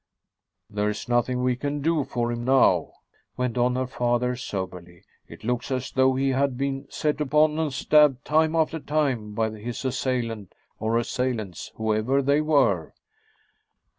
"There's nothing we can do for him, now," went on her father soberly. "It looks as though he had been set upon and stabbed time after time by his assailant or assailants, whoever they were."